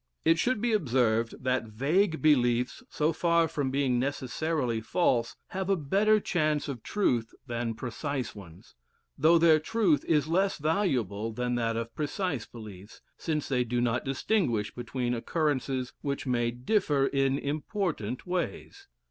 It should be observed that vague beliefs, so far from being necessarily false, have a better chance of truth than precise ones, though their truth is less valuable than that of precise beliefs, since they do not distinguish between occurrences which may differ in important ways.